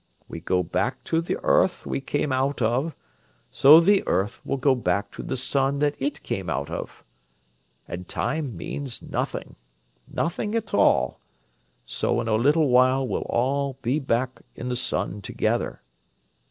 We go back to the earth we came out of, so the earth will go back to the sun that it came out of. And time means nothing—nothing at all—so in a little while we'll all be back in the sun together.